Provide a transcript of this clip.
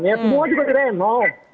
semua juga direnovasi